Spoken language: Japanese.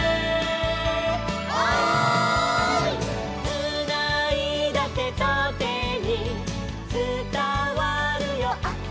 「つないだてとてにつたわるよあったかい」